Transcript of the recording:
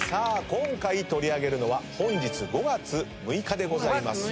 今回取り上げるのは本日５月６日でございます。